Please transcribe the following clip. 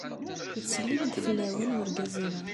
Yettsellim-d fell-awen wergaz-inu.